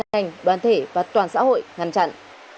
ngành đoàn thể và toàn xã hội ngăn chặn